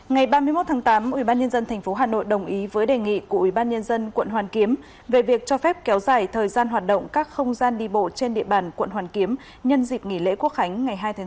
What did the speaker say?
ngày ba mươi một tháng tám ubnd tp hà nội đồng ý với đề nghị của ubnd quận hoàn kiếm về việc cho phép kéo dài thời gian hoạt động các không gian đi bộ trên địa bàn quận hoàn kiếm nhân dịp nghỉ lễ quốc khánh ngày hai tháng chín